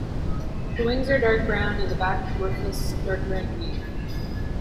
The wings are dark brown and the back rufous, darker underneath.